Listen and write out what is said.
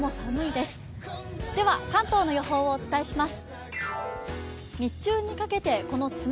では関東の予報をお伝えします。